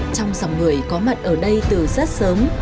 trong dòng người có mặt ở đây từ rất sớm